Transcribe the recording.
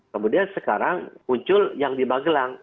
kemudian sekarang muncul yang di magelang